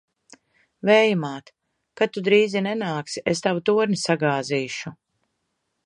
Vēja māt! Kad tu drīzi nenāksi, es tavu torni sagāzīšu!